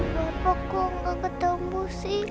bapak kok gak ketemu sih